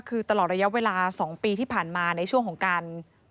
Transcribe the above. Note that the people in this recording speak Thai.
คือตลอดระยะเวลา๒ปีที่ผ่านมาในช่วงของการ